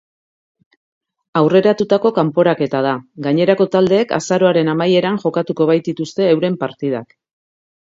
Aurreratutako kanporaketa da, gainerako taldeek azaroaren amaieran jokatuko baitituzte euren partidak.